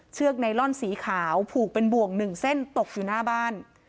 เชือกไนลอนสีขาวผูกเป็นบ่วงหนึ่งเส้นตกอยู่หน้าบ้าน